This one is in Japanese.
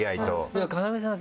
要さん